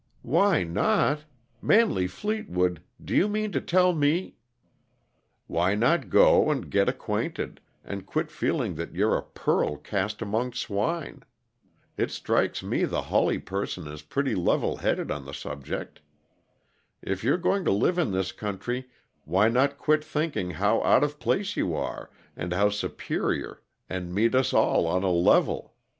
"Why not? Manley Fleetwood, do you mean to tell me " "Why not go, and get acquainted, and quit feeling that you're a pearl cast among swine? It strikes me the Hawley person is pretty level headed on the subject. If you're going to live in this country, why not quit thinking how out of place you are, and how superior, and meet us all on a level?